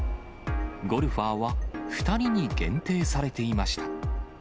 ゴルファーは２人に限定されていました。